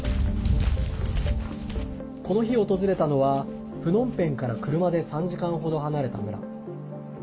この日訪れたのはプノンペンから車で３時間程、離れた村。